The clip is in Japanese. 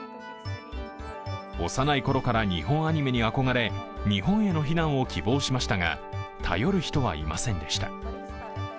幼いころから日本アニメに憧れ日本への避難を希望しましたが頼る人はいませんでした。